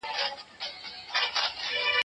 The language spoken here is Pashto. د دغي پلمې هدف څه وو؟